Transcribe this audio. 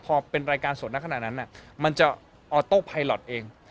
พอเป็นรายการสดนักขนาดนั้นมันจะออโต้ไพลอทเอง